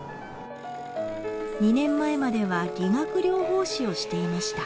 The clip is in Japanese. ２年前までは理学療法士をしていました。